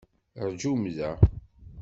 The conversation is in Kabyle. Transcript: Rjum da!